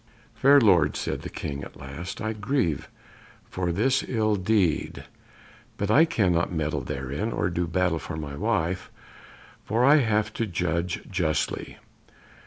"Fair lords," said the King at last, "I grieve for this ill deed; but I cannot meddle therein, or do battle for my wife, for I have to judge justly.